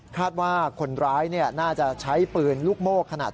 คาดว่าคนร้ายน่าจะใช้ปืนลูกโม่ขนาด